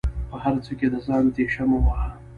په هر څه کې د ځان تيشه مه وهه